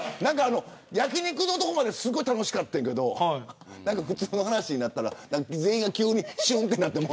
焼き肉のところまですごく楽しかってんけど何か、普通の話になったら全員が急に、しゅんとなって。